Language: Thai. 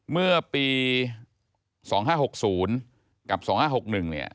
เมื่อปี๒๕๖๐กับ๒๕๖๑เนี่ย